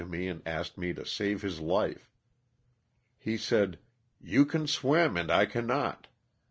89 me and asked me to save his life. He said, '*you can swim and I cannot."